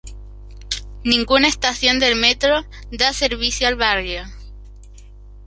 Ninguna estación del metro da servicio al barrio.